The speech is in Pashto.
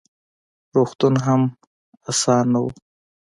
روغتون هم اسان نه و: